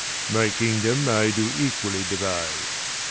My kingdom I do equally divide.